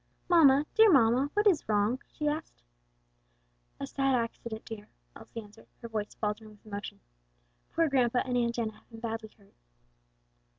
"Mamma, dear mamma, what is wrong?" she asked. "A sad accident, daughter," Elsie answered, her voice faltering with emotion, "poor grandpa and Aunt Enna have been badly hurt."